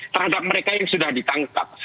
terhadap mereka yang sudah ditangkap